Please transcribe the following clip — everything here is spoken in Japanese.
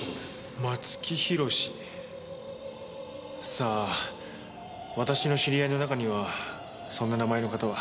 さあ私の知り合いの中にはそんな名前の方は。